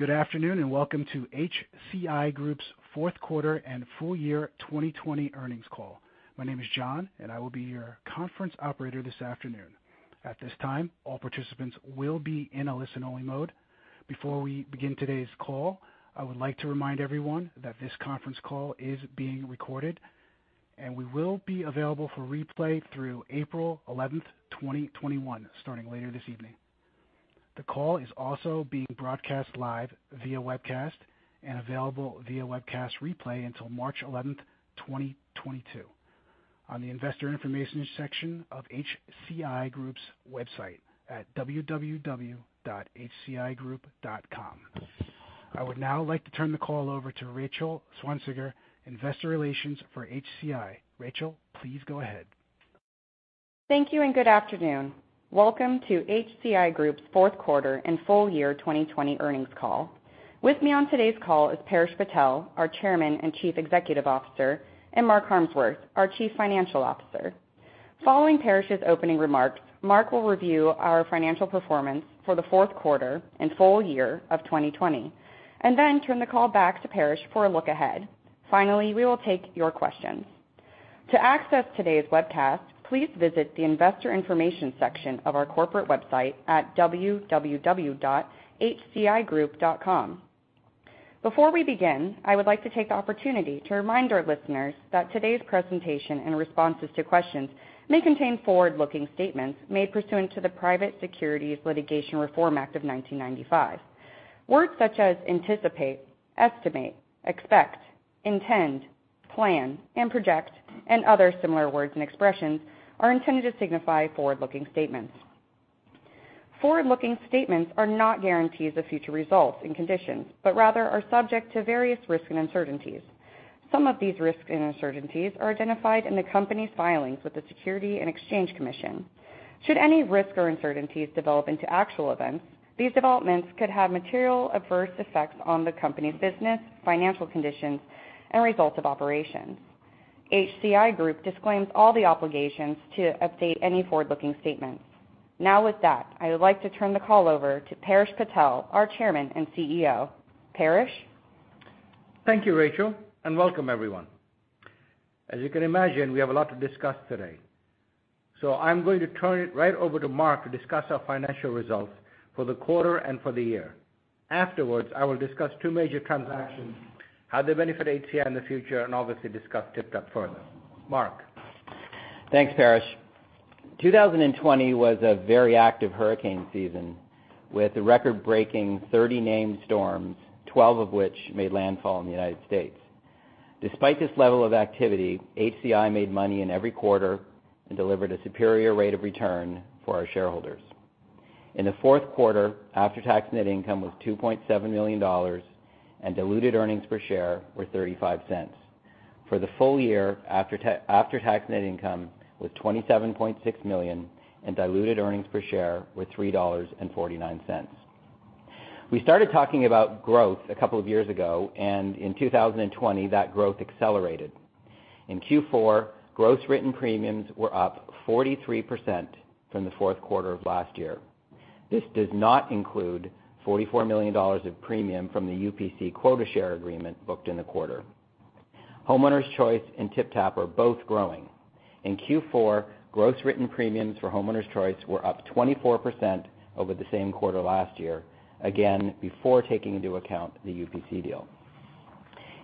Good afternoon, welcome to HCI Group's fourth quarter and full year 2020 earnings call. My name is John, I will be your conference operator this afternoon. At this time, all participants will be in a listen-only mode. Before we begin today's call, I would like to remind everyone that this conference call is being recorded, we will be available for replay through April 11th, 2021, starting later this evening. The call is also being broadcast live via webcast and available via webcast replay until March 11th, 2022 on the investor information section of HCI Group's website at www.hcigroup.com. I would now like to turn the call over to Rachel Swansiger, investor relations for HCI. Rachel, please go ahead. Thank you, good afternoon. Welcome to HCI Group's fourth quarter and full year 2020 earnings call. With me on today's call is Paresh Patel, our Chairman and Chief Executive Officer, Mark Harmsworth, our Chief Financial Officer. Following Paresh's opening remarks, Mark will review our financial performance for the fourth quarter and full year of 2020, then turn the call back to Paresh for a look ahead. Finally, we will take your questions. To access today's webcast, please visit the investor information section of our corporate website at www.hcigroup.com. Before we begin, I would like to take the opportunity to remind our listeners that today's presentation and responses to questions may contain forward-looking statements made pursuant to the Private Securities Litigation Reform Act of 1995. Words such as anticipate, estimate, expect, intend, plan, project, and other similar words and expressions are intended to signify forward-looking statements. Forward-looking statements are not guarantees of future results and conditions, rather are subject to various risks and uncertainties. Some of these risks and uncertainties are identified in the company's filings with the Securities and Exchange Commission. Should any risks or uncertainties develop into actual events, these developments could have material adverse effects on the company's business, financial conditions, and results of operations. HCI Group disclaims all the obligations to update any forward-looking statements. With that, I would like to turn the call over to Paresh Patel, our Chairman and CEO. Paresh? Thank you, Rachel, welcome everyone. As you can imagine, we have a lot to discuss today. I'm going to turn it right over to Mark to discuss our financial results for the quarter and for the year. Afterwards, I will discuss two major transactions, how they benefit HCI in the future, obviously discuss TypTap further. Mark? Thanks, Paresh. 2020 was a very active hurricane season with a record-breaking 30 named storms, 12 of which made landfall in the U.S. Despite this level of activity, HCI made money in every quarter and delivered a superior rate of return for our shareholders. In the fourth quarter, after-tax net income was $2.7 million, and diluted earnings per share were $0.35. For the full year, after-tax net income was $27.6 million, and diluted earnings per share were $3.49. We started talking about growth a couple of years ago, in 2020, that growth accelerated. In Q4, gross written premiums were up 43% from the fourth quarter of last year. This does not include $44 million of premium from the UPC quota share agreement booked in the quarter. Homeowners Choice and TypTap are both growing. In Q4, gross written premiums for Homeowners Choice were up 24% over the same quarter last year, again, before taking into account the UPC deal.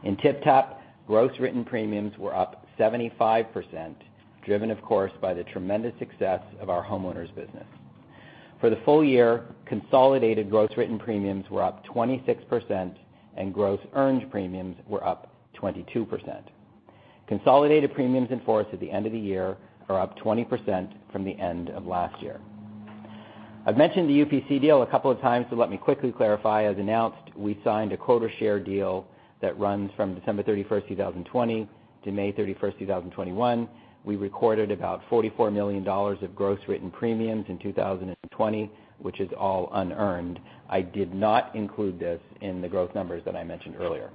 In TypTap, gross written premiums were up 75%, driven of course by the tremendous success of our homeowners business. For the full year, consolidated gross written premiums were up 26%, and gross earned premiums were up 22%. Consolidated premiums in force at the end of the year are up 20% from the end of last year. I've mentioned the UPC deal a couple of times, let me quickly clarify. As announced, we signed a quota share deal that runs from December 31st, 2020 to May 31st, 2021. We recorded about $44 million of gross written premiums in 2020, which is all unearned. I did not include this in the growth numbers that I mentioned earlier.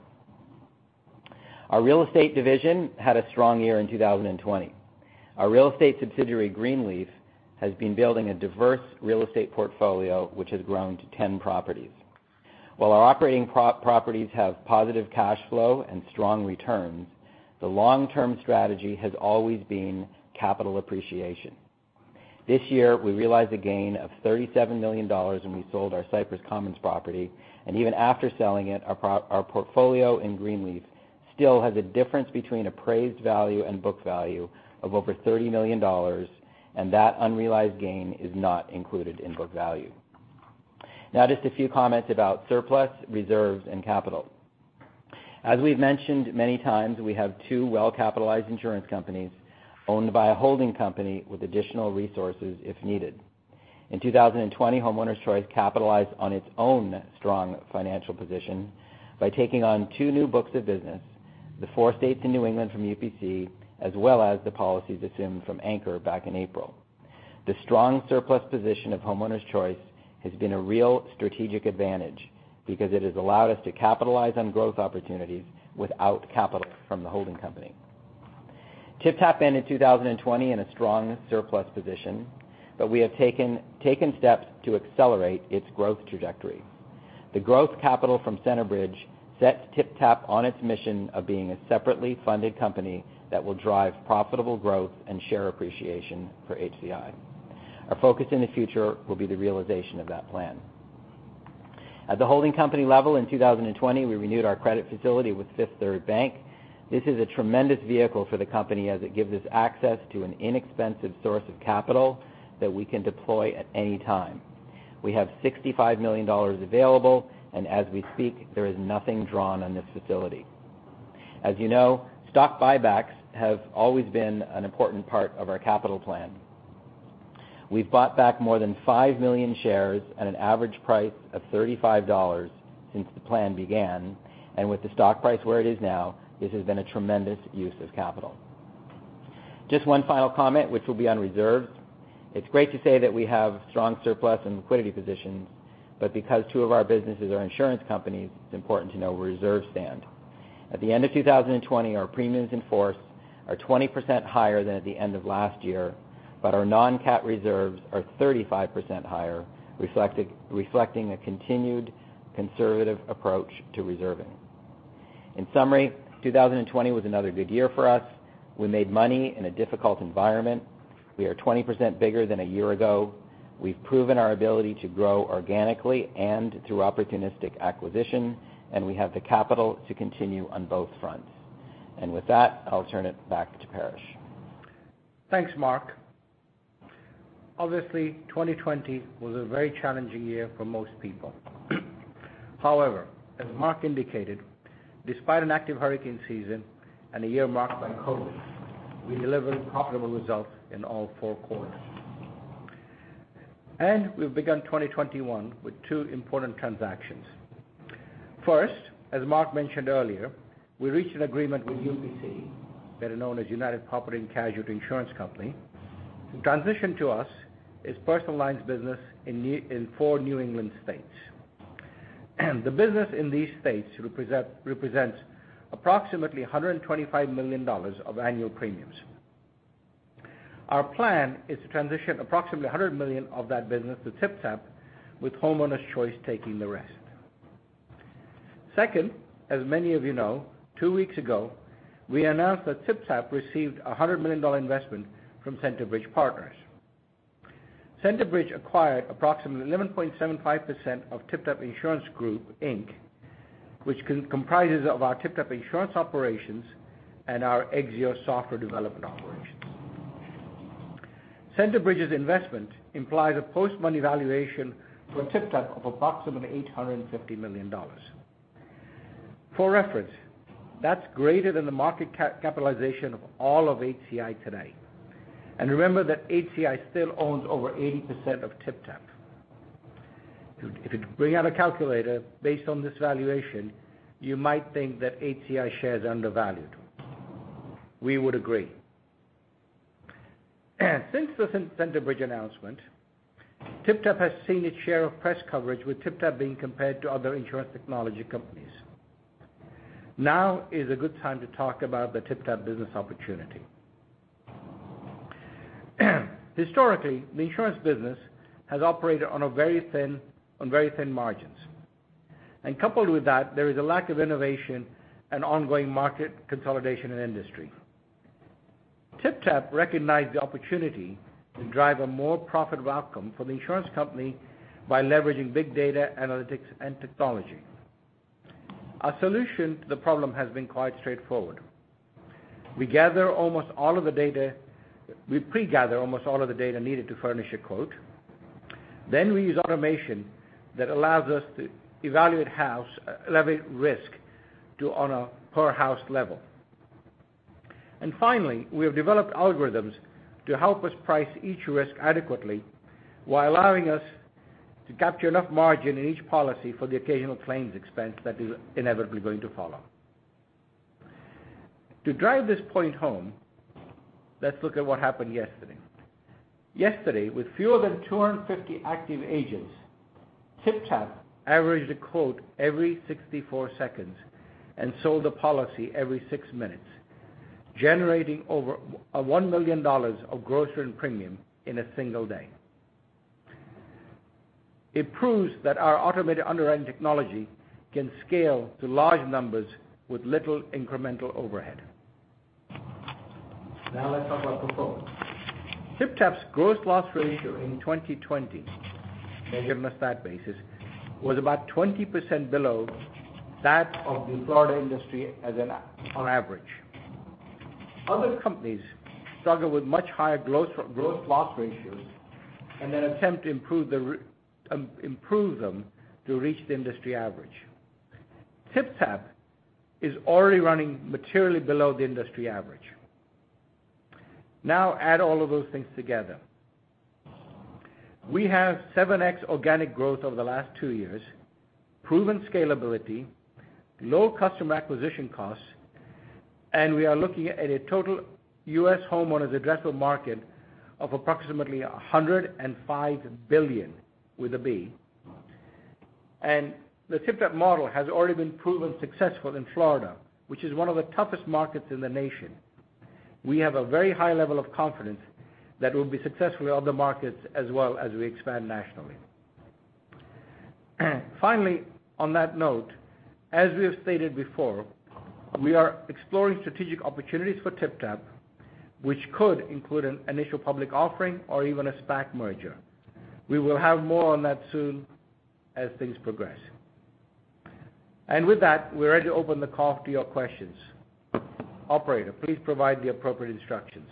Our real estate division had a strong year in 2020. Our real estate subsidiary, Greenleaf, has been building a diverse real estate portfolio, which has grown to 10 properties. While our operating properties have positive cash flow and strong returns, the long-term strategy has always been capital appreciation. This year, we realized a gain of $37 million when we sold our Cypress Commons property, even after selling it, our portfolio in Greenleaf still has a difference between appraised value and book value of over $30 million, that unrealized gain is not included in book value. Just a few comments about surplus, reserves, and capital. As we've mentioned many times, we have two well-capitalized insurance companies owned by a holding company with additional resources if needed. In 2020, Homeowners Choice capitalized on its own strong financial position by taking on two new books of business, the four states in New England from UPC, as well as the policies assumed from Anchor back in April. The strong surplus position of Homeowners Choice has been a real strategic advantage because it has allowed us to capitalize on growth opportunities without capital from the holding company. TypTap ended 2020 in a strong surplus position, we have taken steps to accelerate its growth trajectory. The growth capital from Centerbridge sets TypTap on its mission of being a separately funded company that will drive profitable growth and share appreciation for HCI. Our focus in the future will be the realization of that plan. At the holding company level in 2020, we renewed our credit facility with Fifth Third Bank. This is a tremendous vehicle for the company as it gives us access to an inexpensive source of capital that we can deploy at any time. We have $65 million available, and as we speak, there is nothing drawn on this facility. As you know, stock buybacks have always been an important part of our capital plan. We've bought back more than 5 million shares at an average price of $35 since the plan began. With the stock price where it is now, this has been a tremendous use of capital. Just one final comment, which will be on reserves. It's great to say that we have strong surplus and liquidity positions, but because two of our businesses are insurance companies, it's important to know where reserves stand. At the end of 2020, our premiums in force are 20% higher than at the end of last year, but our non-CAT reserves are 35% higher, reflecting a continued conservative approach to reserving. In summary, 2020 was another good year for us. We made money in a difficult environment. We are 20% bigger than a year ago. We've proven our ability to grow organically and through opportunistic acquisition, and we have the capital to continue on both fronts. With that, I'll turn it back to Paresh. Thanks, Mark. Obviously, 2020 was a very challenging year for most people. However, as Mark indicated, despite an active hurricane season and a year marked by COVID, we delivered profitable results in all four quarters. We've begun 2021 with two important transactions. First, as Mark mentioned earlier, we reached an agreement with UPC, better known as United Property & Casualty Insurance Company, to transition to us its personal lines business in four New England states. The business in these states represents approximately $125 million of annual premiums. Our plan is to transition approximately $100 million of that business to TypTap, with Homeowners Choice taking the rest. Second, as many of you know, two weeks ago, we announced that TypTap received a $100 million investment from Centerbridge Partners. Centerbridge acquired approximately 11.75% of TypTap Insurance Group, Inc., which comprises of our TypTap Insurance operations and our Exzeo software development operations. Centerbridge's investment implies a post-money valuation for TypTap of approximately $850 million. For reference, that's greater than the market capitalization of all of HCI today. Remember that HCI still owns over 80% of TypTap. If you bring out a calculator based on this valuation, you might think that HCI shares are undervalued. We would agree. Since the Centerbridge announcement, TypTap has seen its share of press coverage, with TypTap being compared to other insurtechs. Now is a good time to talk about the TypTap business opportunity. Historically, the insurance business has operated on very thin margins. Coupled with that, there is a lack of innovation and ongoing market consolidation in the industry. TypTap recognized the opportunity to drive a more profitable outcome for the insurance company by leveraging big data analytics and technology. Our solution to the problem has been quite straightforward. We pre-gather almost all of the data needed to furnish a quote. We use automation that allows us to evaluate risk on a per house level. Finally, we have developed algorithms to help us price each risk adequately while allowing us to capture enough margin in each policy for the occasional claims expense that is inevitably going to follow. To drive this point home, let's look at what happened yesterday. Yesterday, with fewer than 250 active agents, TypTap averaged a quote every 64 seconds and sold a policy every six minutes, generating over $1 million of gross written premium in a single day. It proves that our automated underwriting technology can scale to large numbers with little incremental overhead. Let's talk about performance. TypTap's gross loss ratio in 2020, given a stat basis, was about 20% below that of the Florida industry on average. Other companies struggle with much higher gross loss ratios and attempt to improve them to reach the industry average. TypTap is already running materially below the industry average. Add all of those things together. We have 7x organic growth over the last two years, proven scalability, low customer acquisition costs, and we are looking at a total U.S. homeowners' addressable market of approximately $105 billion, with a B. The TypTap model has already been proven successful in Florida, which is one of the toughest markets in the nation. We have a very high level of confidence that we'll be successful in other markets as well as we expand nationally. Finally, on that note, as we have stated before, we are exploring strategic opportunities for TypTap, which could include an initial public offering or even a SPAC merger. We will have more on that soon as things progress. With that, we're ready to open the call to your questions. Operator, please provide the appropriate instructions.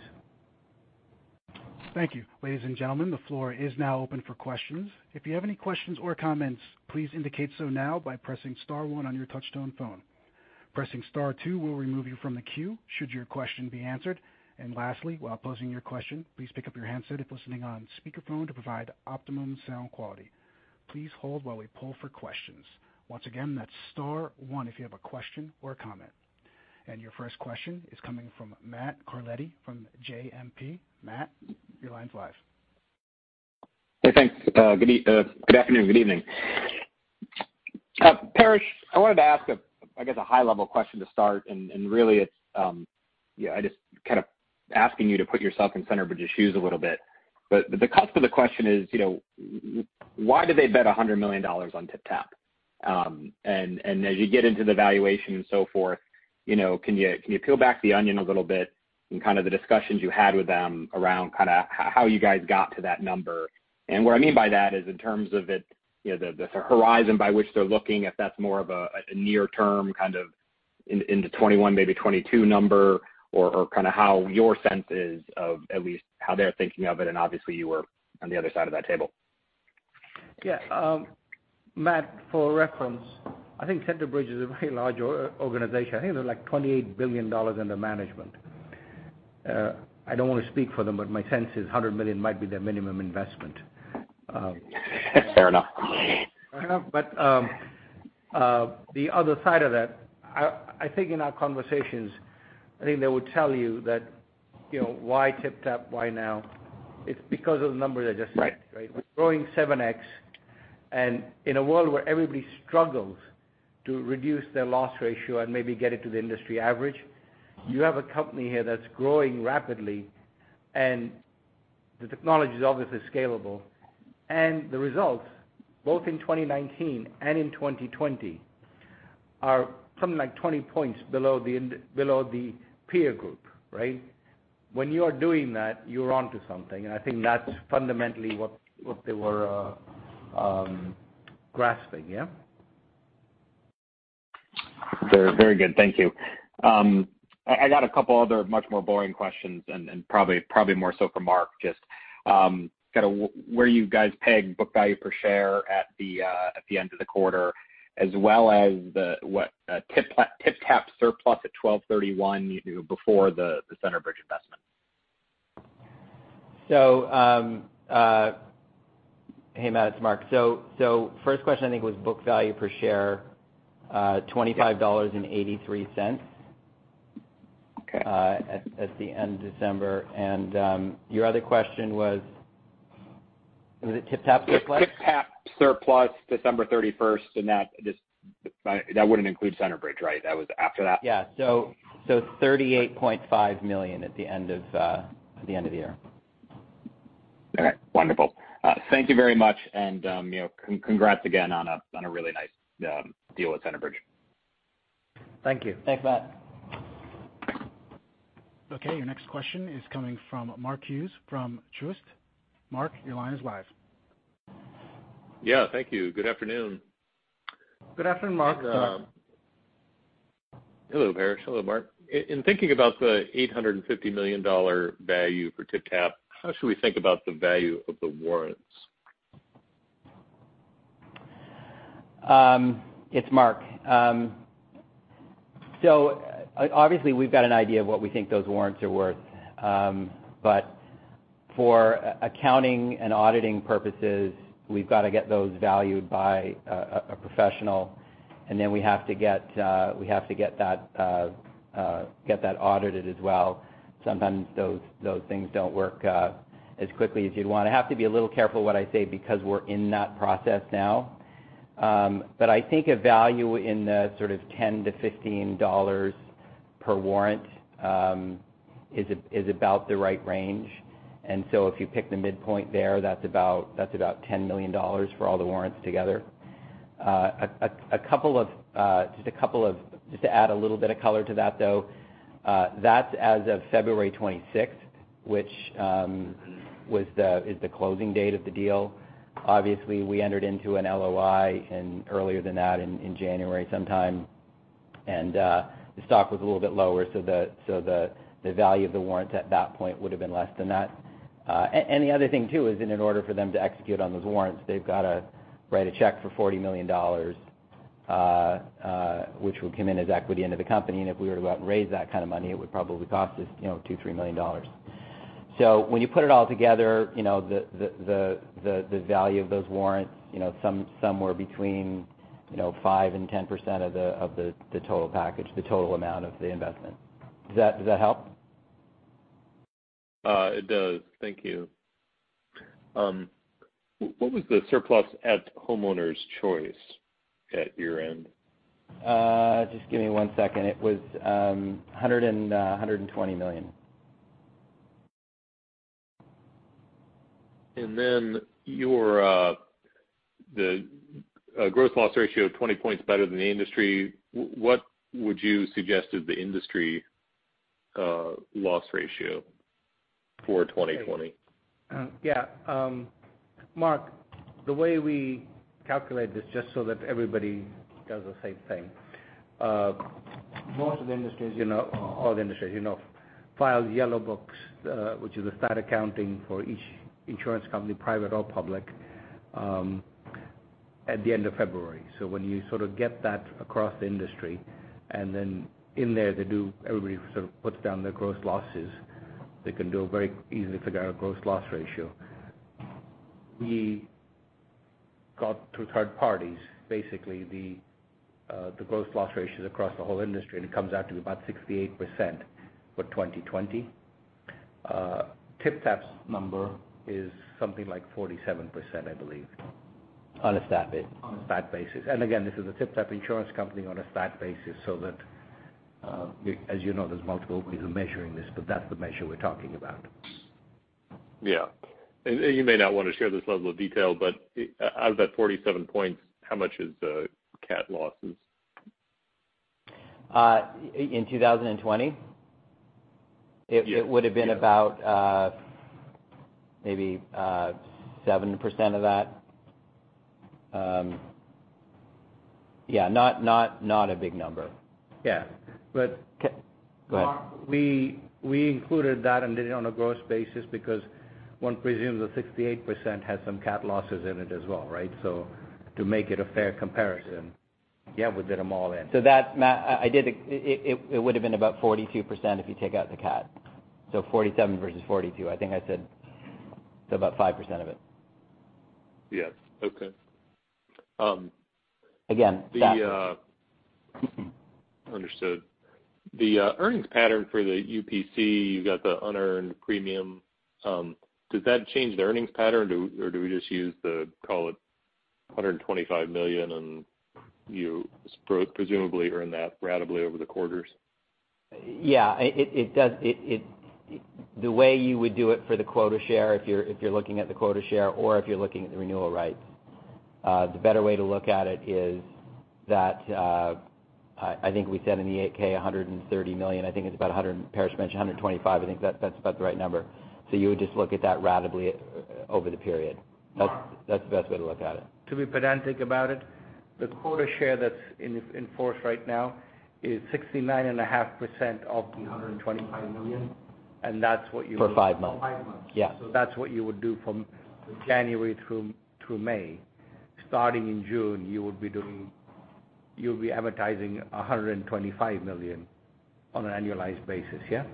Thank you. Ladies and gentlemen, the floor is now open for questions. If you have any questions or comments, please indicate so now by pressing star one on your touch-tone phone. Pressing star two will remove you from the queue, should your question be answered. Lastly, while posing your question, please pick up your handset if listening on speakerphone to provide optimum sound quality. Please hold while we poll for questions. Once again, that's star one if you have a question or comment. Your first question is coming from Matt Carletti from JMP. Matt, your line's live. Hey, thanks. Good afternoon, good evening. Paresh, I wanted to ask, I guess, a high-level question to start. Really, I'm just kind of asking you to put yourself in Centerbridge Partners' shoes a little bit. The cusp of the question is, why did they bet $100 million on TypTap? As you get into the valuation and so forth, can you peel back the onion a little bit on kind of the discussions you had with them around how you guys got to that number? What I mean by that is in terms of the horizon by which they're looking, if that's more of a near term into 2021, maybe 2022 number, or kind of how your sense is of at least how they're thinking of it, and obviously you were on the other side of that table. Yeah. Matt, for reference, I think Centerbridge Partners is a very large organization. I think they're like $28 billion under management. I don't want to speak for them, but my sense is $100 million might be their minimum investment. Fair enough. The other side of that, I think in our conversations, I think they would tell you that why TypTap, why now? It's because of the numbers I just said, right? Right. We're growing 7x. In a world where everybody struggles to reduce their loss ratio and maybe get it to the industry average, you have a company here that's growing rapidly, and the technology is obviously scalable. The results, both in 2019 and in 2020, are something like 20 points below the peer group, right? When you are doing that, you are onto something, and I think that's fundamentally what they were grasping. Yeah? Very good. Thank you. I got a couple other much more boring questions. Probably more so for Mark, just where you guys peg book value per share at the end of the quarter, as well as the TypTap surplus at 12/31 before the Centerbridge investment? Hey, Matt, it's Mark. First question, I think, was book value per share. $25.83- Okay At the end of December. Your other question was it TypTap surplus? TypTap surplus December 31st, that wouldn't include Centerbridge, right? That was after that. $38.5 million at the end of the year. Okay, wonderful. Thank you very much, congrats again on a really nice deal with Centerbridge. Thank you. Thanks, Matt. Okay, your next question is coming from Mark Hughes from Truist. Mark, your line is live. Yeah, thank you. Good afternoon. Good afternoon, Mark. Hello, Paresh. Hello, Mark. In thinking about the $850 million value for TypTap, how should we think about the value of the warrants? It's Mark. Obviously, we've got an idea of what we think those warrants are worth. For accounting and auditing purposes, we've got to get those valued by a professional, then we have to get that audited as well. Sometimes those things don't work as quickly as you'd want. I have to be a little careful what I say because we're in that process now. I think a value in the sort of $10-15 per warrant is about the right range. If you pick the midpoint there, that's about $10 million for all the warrants together. Just to add a little bit of color to that, though, that's as of February 26th, which is the closing date of the deal. Obviously, we entered into an LOI earlier than that in January sometime. The stock was a little bit lower, so the value of the warrants at that point would've been less than that. The other thing too is in order for them to execute on those warrants, they've got to write a check for $40 million, which will come in as equity into the company. If we were to go out and raise that kind of money, it would probably cost us $2 million or $3 million. When you put it all together, the value of those warrants, somewhere between 5%-10% of the total package, the total amount of the investment. Does that help? It does. Thank you. What was the surplus at Homeowners Choice at year-end? Just give me one second. It was $120 million. Then your gross loss ratio of 20 points better than the industry, what would you suggest is the industry loss ratio for 2020? Yeah. Mark, the way we calculate this, just so that everybody does the same thing. Most of the industries, all the industries file Yellow Book, which is a stat accounting for each insurance company, private or public, at the end of February. When you sort of get that across the industry, then in there, everybody sort of puts down their gross losses. They can very easily figure out a gross loss ratio. We got through third parties, basically, the gross loss ratios across the whole industry, and it comes out to be about 68% for 2020. TypTap's number is something like 47%, I believe. On a stat basis. On a stat basis. Again, this is a TypTap insurance company on a stat basis, that, as you know, there's multiple ways of measuring this, but that's the measure we're talking about. Yeah. You may not want to share this level of detail, out of that 47 points, how much is CAT losses? In 2020? Yeah. It would've been about maybe 7% of that. Yeah, not a big number. Yeah. Go ahead Mark, we included that and did it on a gross basis because one presumes the 68% has some CAT losses in it as well, right? To make it a fair comparison, yeah, we did them all in. That, it would've been about 42% if you take out the CAT. 47 versus 42, I think I said, about 5% of it. Yeah. Okay. Again, stat. Understood. The earnings pattern for the UPC, you've got the unearned premium. Does that change the earnings pattern, or do we just use the, call it, $125 million, and you presumably earn that ratably over the quarters? Yeah. The way you would do it for the quota share, if you're looking at the quota share or if you're looking at the renewal rights. The better way to look at it is that, I think we said in the 8-K, $130 million. I think it's about 100, Paresh mentioned 125. I think that's about the right number. You would just look at that ratably over the period. That's the best way to look at it. To be pedantic about it, the quota share that's in force right now is 69.5% of the $125 million. That's what you- For five months for five months. Yeah. That's what you would do from January through May. Starting in June, you'll be amortizing $125 million on an annualized basis, yeah?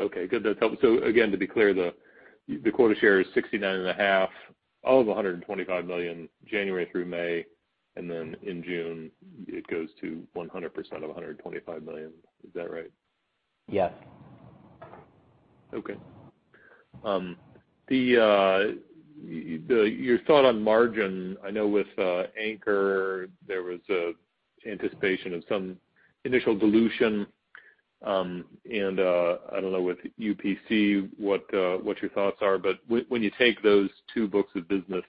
Okay, good. That's helpful. Again, to be clear, the quota share is 69.5% of $125 million, January through May, and then in June it goes to 100% of $125 million. Is that right? Yes. Okay. Your thought on margin, I know with Anchor, there was anticipation of some initial dilution. I don't know with UPC what your thoughts are, when you take those two books of business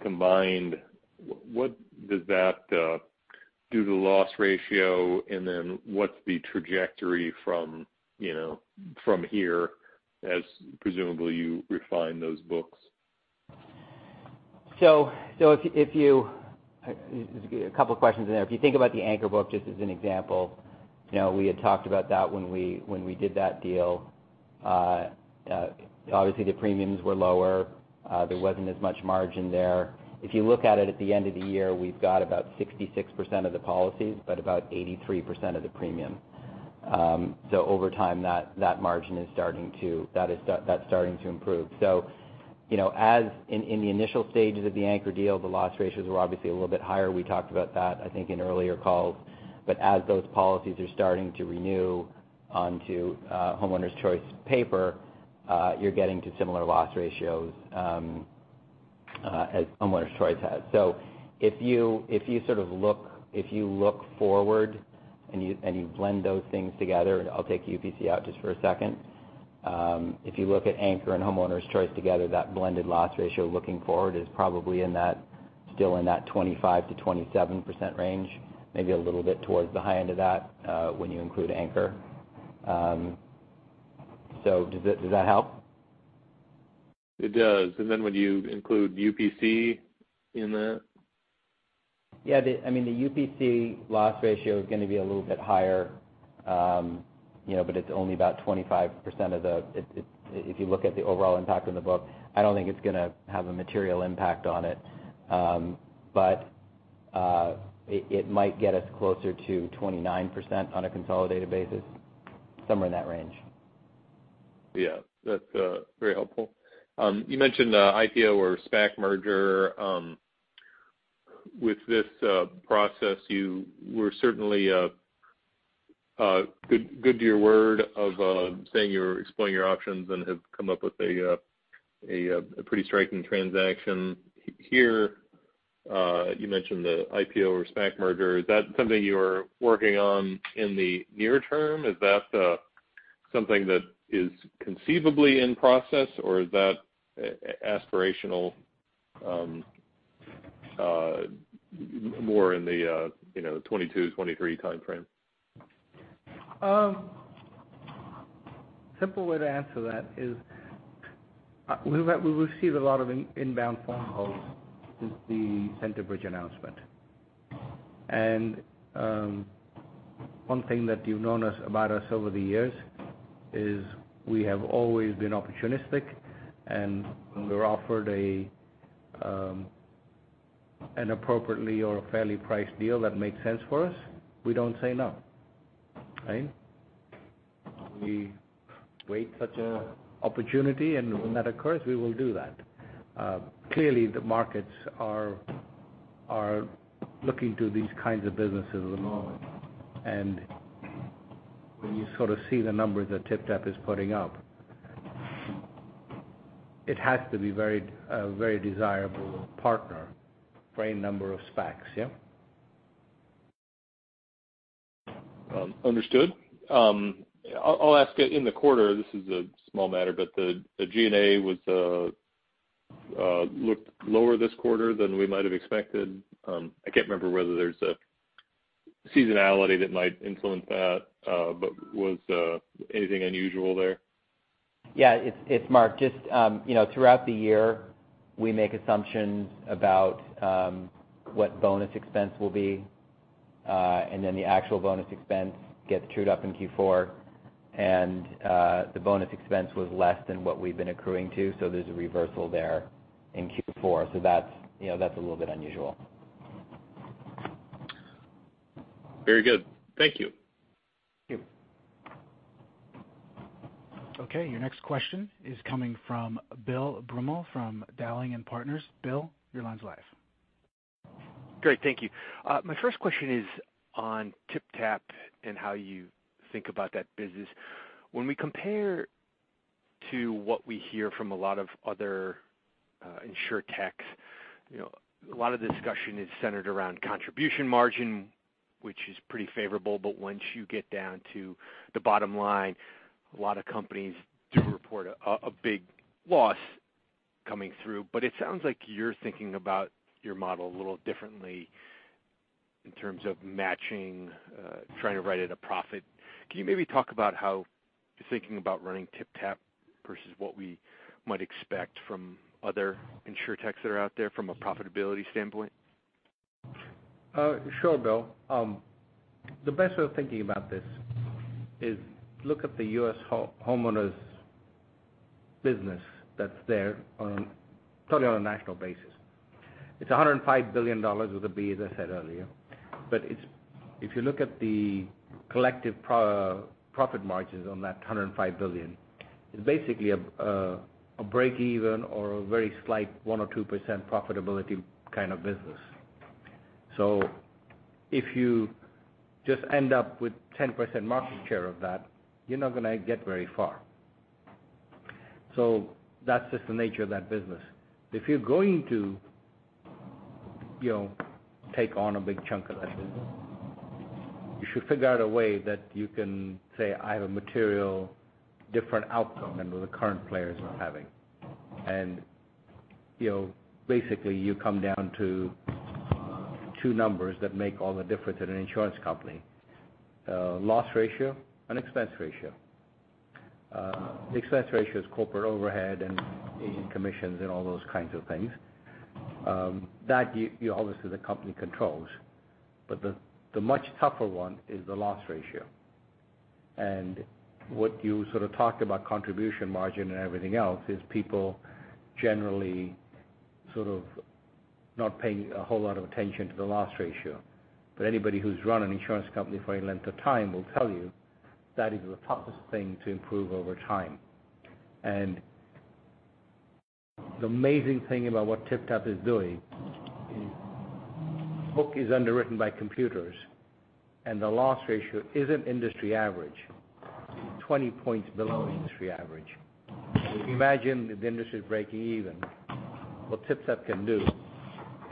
combined, what does that do to the loss ratio, and then what's the trajectory from here as presumably you refine those books? A couple questions in there. If you think about the Anchor book, just as an example, we had talked about that when we did that deal. Obviously the premiums were lower. There wasn't as much margin there. If you look at it at the end of the year, we've got about 66% of the policies, but about 83% of the premium. Over time, that margin, that's starting to improve. In the initial stages of the Anchor deal, the loss ratios were obviously a little bit higher. We talked about that, I think, in earlier calls. As those policies are starting to renew onto Homeowners Choice paper, you're getting to similar loss ratios as Homeowners Choice has. If you look forward and you blend those things together, and I'll take UPC out just for a second. If you look at Anchor and Homeowners Choice together, that blended loss ratio looking forward is probably still in that 25%-27% range, maybe a little bit towards the high end of that when you include Anchor. Does that help? It does. Then when you include UPC in that? Yeah, the UPC loss ratio is going to be a little bit higher. It's only about 25% of the, if you look at the overall impact on the book, I don't think it's going to have a material impact on it. It might get us closer to 29% on a consolidated basis, somewhere in that range. Yeah. That's very helpful. You mentioned IPO or SPAC merger with this process, you were certainly good to your word of saying you were exploring your options and have come up with a pretty striking transaction here. You mentioned the IPO or SPAC merger. Is that something you're working on in the near term? Is that something that is conceivably in process, or is that aspirational, more in the 2022, 2023 time frame? Simple way to answer that is, we receive a lot of inbound phone calls since the Centerbridge announcement. One thing that you've known about us over the years is we have always been opportunistic, and when we're offered an appropriately or a fairly priced deal that makes sense for us, we don't say no. Right? We wait such an opportunity, and when that occurs, we will do that. Clearly, the markets are looking to these kinds of businesses at the moment. When you sort of see the numbers that TypTap is putting up, it has to be a very desirable partner for any number of SPACs, yeah? Understood. I'll ask, in the quarter, this is a small matter, but the G&A looked lower this quarter than we might have expected. I can't remember whether there's a seasonality that might influence that. Was anything unusual there? Yeah, it's Mark. Throughout the year, we make assumptions about what bonus expense will be, then the actual bonus expense gets trued up in Q4. The bonus expense was less than what we've been accruing to, so there's a reversal there in Q4. That's a little bit unusual. Very good. Thank you. Thank you. Okay, your next question is coming from Bill Broomall from Dowling & Partners. Bill, your line's live. Great. Thank you. My first question is on TypTap and how you think about that business. When we compare to what we hear from a lot of other insurtechs, a lot of discussion is centered around contribution margin, which is pretty favorable. Once you get down to the bottom line, a lot of companies do report a big loss coming through. It sounds like you're thinking about your model a little differently in terms of matching, trying to write in a profit. Can you maybe talk about how you're thinking about running TypTap versus what we might expect from other insurtechs that are out there from a profitability standpoint? Sure, Bill. The best way of thinking about this is look at the U.S. homeowners business that's there totally on a national basis. It's $105 billion with a B, as I said earlier. If you look at the collective profit margins on that $105 billion, it's basically a break even or a very slight 1% or 2% profitability kind of business. If you just end up with 10% market share of that, you're not going to get very far. That's just the nature of that business. If you're going to take on a big chunk of that business, you should figure out a way that you can say, "I have a material different outcome than what the current players are having." Basically you come down to two numbers that make all the difference in an insurance company, loss ratio and expense ratio. Expense ratio is corporate overhead and commissions and all those kinds of things. That, obviously, the company controls. The much tougher one is the loss ratio. What you sort of talked about contribution margin and everything else is people generally sort of not paying a whole lot of attention to the loss ratio. Anybody who's run an insurance company for any length of time will tell you that is the toughest thing to improve over time. The amazing thing about what TypTap is doing is book is underwritten by computers, and the loss ratio isn't industry average. It's 20 points below industry average. If you imagine that the industry is breaking even, what TypTap can do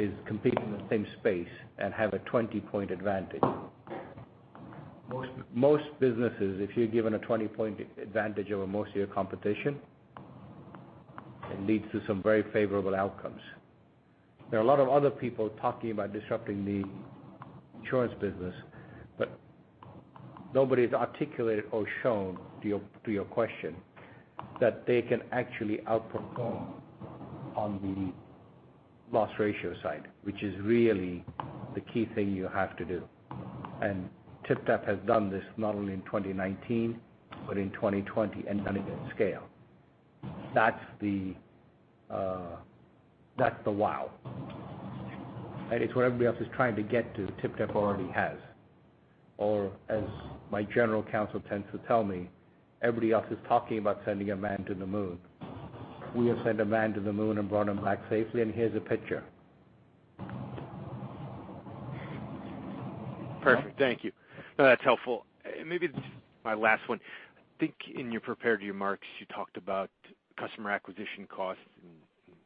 is compete in the same space and have a 20-point advantage. Most businesses, if you're given a 20-point advantage over most of your competition, it leads to some very favorable outcomes. There are a lot of other people talking about disrupting the insurance business, but nobody's articulated or shown, to your question, that they can actually outperform on the loss ratio side, which is really the key thing you have to do. TypTap has done this not only in 2019, but in 2020, and done it at scale. That's the wow. It's what everybody else is trying to get to, TypTap already has. Or as my general counsel tends to tell me, "Everybody else is talking about sending a man to the moon." We have sent a man to the moon and brought him back safely, and here's a picture. Perfect. Thank you. No, that's helpful. Maybe this is my last one. I think in your prepared remarks, you talked about customer acquisition costs and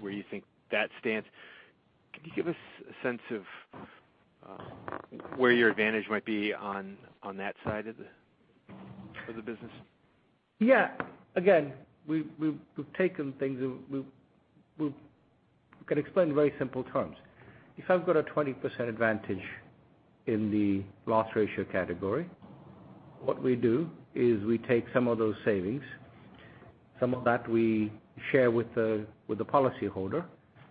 where you think that stands. Can you give us a sense of where your advantage might be on that side of the business? Yeah. Again, we've taken things, and we can explain in very simple terms. If I've got a 20% advantage in the loss ratio category, what we do is we take some of those savings. Some of that we share with the policyholder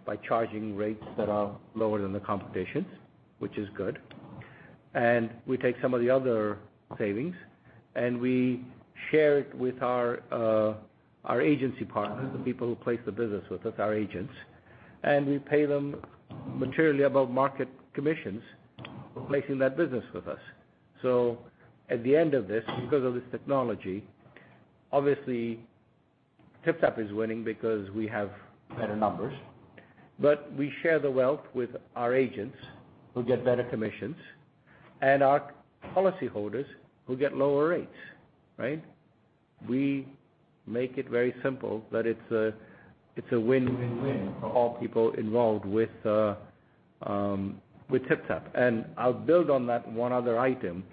by charging rates that are lower than the competition's, which is good. We take some of the other savings, and we share it with our agency partners, the people who place the business with us, our agents. We pay them materially above market commissions for placing that business with us. At the end of this, because of this technology, obviously TypTap is winning because we have better numbers. We share the wealth with our agents, who get better commissions, and our policyholders, who get lower rates. Right? We make it very simple that it's a win for all people involved with TypTap. I'll build on that one other item.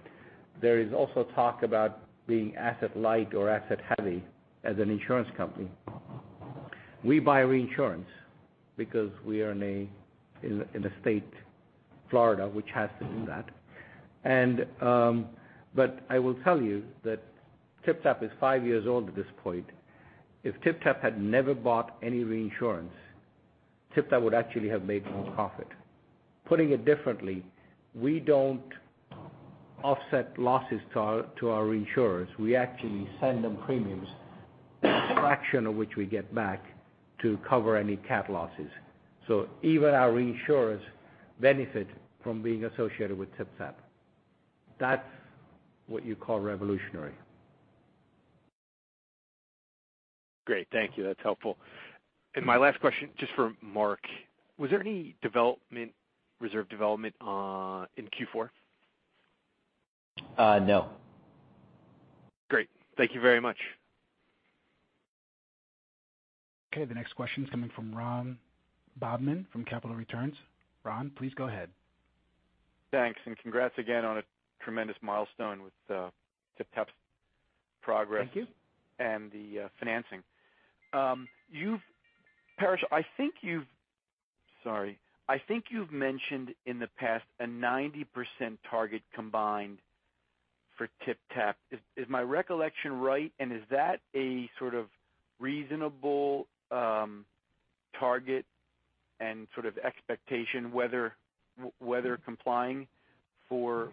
There is also talk about being asset light or asset heavy as an insurance company. We buy reinsurance because we are in a state, Florida, which has to do that. But I will tell you that TypTap is five years old at this point. If TypTap had never bought any reinsurance, TypTap would actually have made more profit. Putting it differently, we don't offset losses to our reinsurers. We actually send them premiums, a fraction of which we get back to cover any CAT losses. Even our reinsurers benefit from being associated with TypTap. That's what you call revolutionary. Great. Thank you. That's helpful. My last question, just for Mark. Was there any reserve development in Q4? No. Great. Thank you very much. Okay, the next question is coming from Ron Bobman from Capital Returns. Ron, please go ahead. Thanks. Congrats again on a tremendous milestone with TypTap's progress. Thank you The financing. Paresh, I think you've mentioned in the past a 90% target combined for TypTap. Is my recollection right, and is that a reasonable target and expectation, whether complying for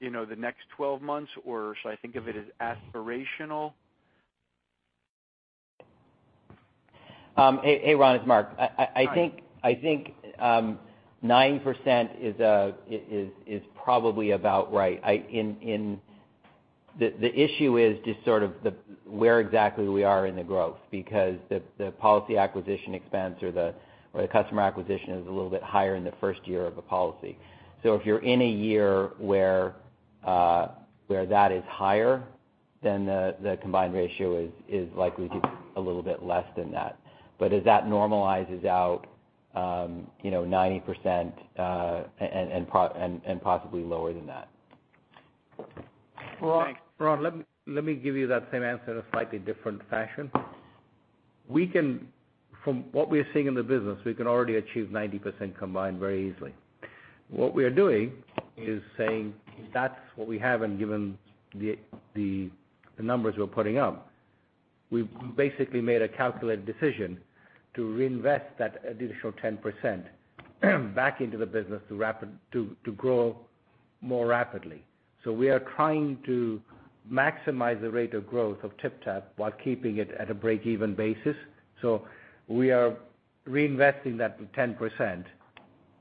the next 12 months, or should I think of it as aspirational? Hey, Ron, it's Mark. Hi. I think 90% is probably about right. The issue is just sort of where exactly we are in the growth, because the policy acquisition expense or the customer acquisition is a little bit higher in the first year of a policy. If you're in a year where that is higher, then the combined ratio is likely to be a little bit less than that. As that normalizes out, 90% and possibly lower than that. Ron, let me give you that same answer in a slightly different fashion. From what we're seeing in the business, we can already achieve 90% combined very easily. What we are doing is saying that's what we have and given the numbers we're putting up. We've basically made a calculated decision to reinvest that additional 10% back into the business to grow more rapidly. We are trying to maximize the rate of growth of TypTap while keeping it at a break-even basis. We are reinvesting that 10%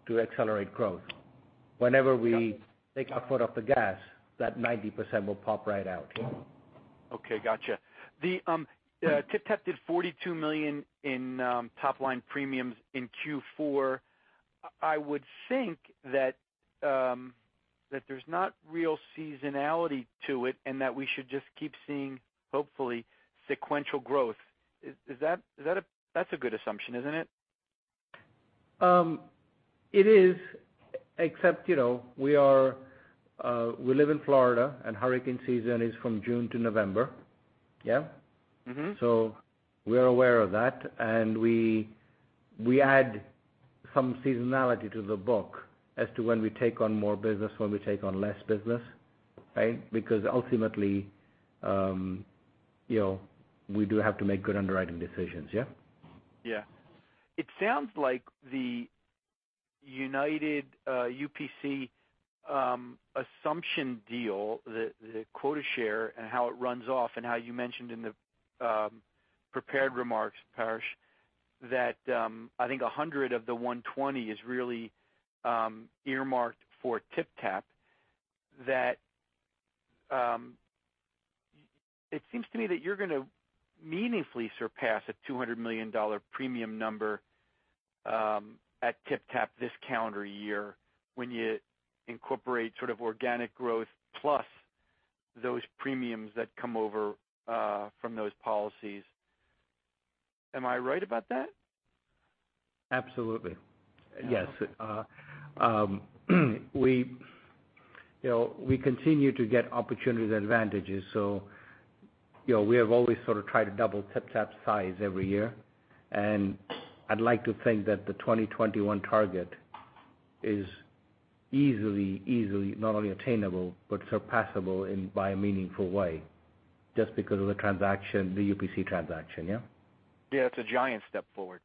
to accelerate growth. Whenever we take our foot off the gas, that 90% will pop right out. Okay, gotcha. TypTap did $42 million in top-line premiums in Q4. I would think that there's not real seasonality to it and that we should just keep seeing, hopefully, sequential growth. That's a good assumption, isn't it? It is, except we live in Florida, and hurricane season is from June to November. Yeah? We are aware of that, and we add some seasonality to the book as to when we take on more business, when we take on less business. Right? Because ultimately, we do have to make good underwriting decisions, yeah? It sounds like the UPC assumption deal, the quota share and how it runs off and how you mentioned in the prepared remarks, Paresh, that I think $100 million of the $120 million is really earmarked for TypTap, that it seems to me that you're going to meaningfully surpass a $200 million premium number at TypTap this calendar year when you incorporate organic growth plus those premiums that come over from those policies. Am I right about that? Absolutely. Yes. We continue to get opportunities and advantages. We have always sort of tried to double TypTap's size every year, and I'd like to think that the 2021 target is easily not only attainable, but surpassable by a meaningful way just because of the UPC transaction, yeah? It's a giant step forward.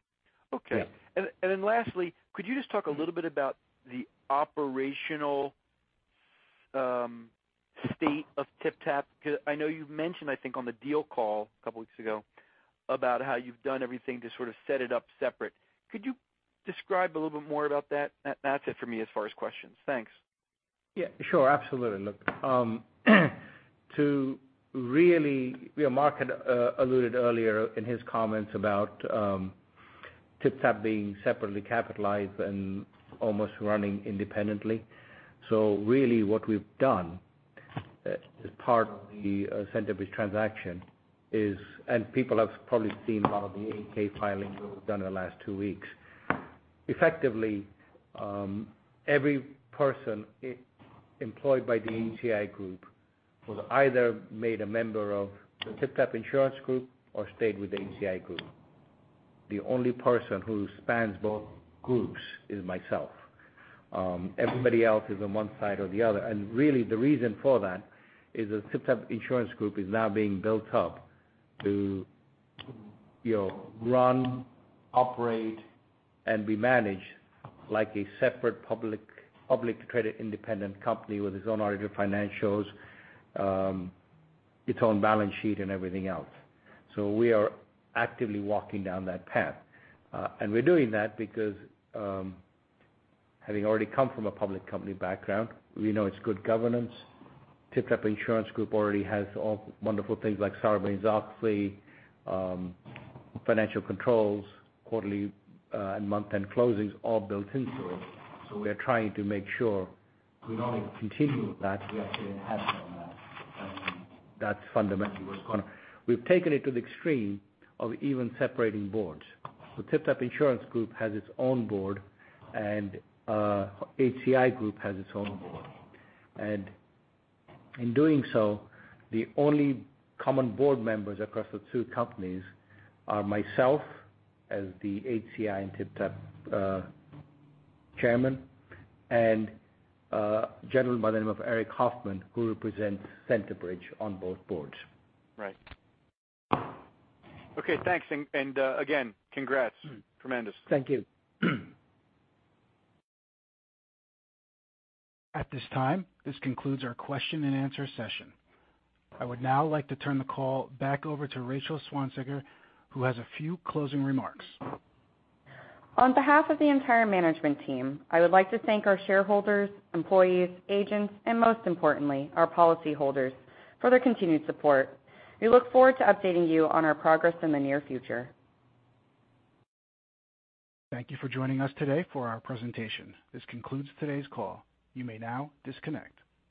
Okay. Yeah. Lastly, could you just talk a little bit about the operational state of TypTap? I know you've mentioned, I think, on the deal call a couple of weeks ago, about how you've done everything to sort of set it up separate. Could you describe a little bit more about that? That's it for me as far as questions. Thanks. Yeah, sure. Absolutely. Look, Mark alluded earlier in his comments about TypTap being separately capitalized and almost running independently. Really what we've done as part of the Centerbridge transaction is, and people have probably seen a lot of the 8-K filings we've done in the last two weeks. Effectively, every person employed by the HCI Group was either made a member of the TypTap Insurance Group or stayed with the HCI Group. The only person who spans both groups is myself. Everybody else is on one side or the other. Really the reason for that is the TypTap Insurance Group is now being built up to run, operate, and be managed like a separate public credit independent company with its own audited financials, its own balance sheet and everything else. We are actively walking down that path. We're doing that because, having already come from a public company background, we know it's good governance. TypTap Insurance Group already has all wonderful things like Sarbanes-Oxley, financial controls, quarterly and month-end closings all built into it. We are trying to make sure we not only continue that, we actually enhance it on that. That's fundamentally what's going on. We've taken it to the extreme of even separating boards. The TypTap Insurance Group has its own board, and HCI Group has its own board. In doing so, the only common board members across the two companies are myself as the HCI and TypTap chairman, and a gentleman by the name of Eric Hoffman, who represents Centerbridge on both boards. Right. Okay, thanks. Again, congrats. Tremendous. Thank you. At this time, this concludes our question-and-answer session. I would now like to turn the call back over to Rachel Swansiger, who has a few closing remarks. On behalf of the entire management team, I would like to thank our shareholders, employees, agents, and most importantly, our policyholders, for their continued support. We look forward to updating you on our progress in the near future. Thank you for joining us today for our presentation. This concludes today's call. You may now disconnect.